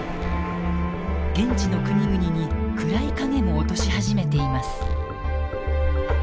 現地の国々に暗い影も落とし始めています。